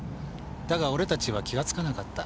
だが俺達は気がつかなかった。